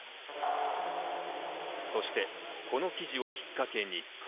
そしてこの記事をきっかけに。